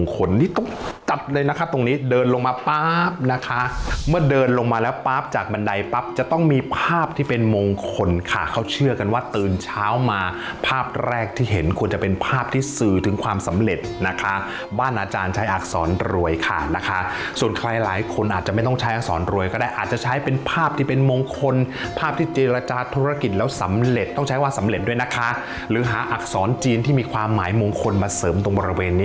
ค่ะเขาเชื่อกันว่าตื่นเช้ามาภาพแรกที่เห็นควรจะเป็นภาพที่สื่อถึงความสำเร็จนะคะบ้านอาจารย์ใช้อักษรรวยค่ะนะคะส่วนใครหลายคนอาจจะไม่ต้องใช้อักษรรวยก็ได้อาจจะใช้เป็นภาพที่เป็นมงคลภาพที่เจรจาธุรกิจแล้วสำเร็จต้องใช้ว่าสำเร็จด้วยนะคะหรือหาอักษรจีนที่มีความหมายมงคลมาเสริ